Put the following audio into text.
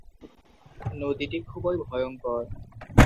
নদীটি খুবই ভয়ঙ্কর।